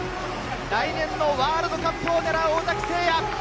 来年のワールドカップを狙う尾崎晟也。